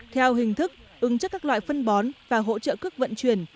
theo hình thức ứng chất các loại phân bón và hỗ trợ cước vận chuyển